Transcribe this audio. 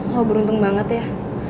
lo beruntung banget ya